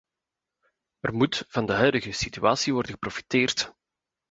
Er moet van de huidige situatie worden geprofiteerd.